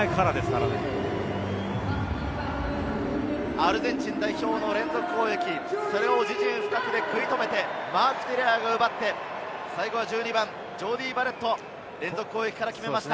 アルゼンチン代表の連続攻撃を自陣深くで食い止めて、マーク・テレアが奪って、最後は１２番ジョーディー・バレット、連続攻撃から決めました。